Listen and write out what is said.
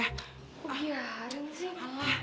kok biarin sih